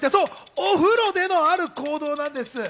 お風呂でのある行動なんです。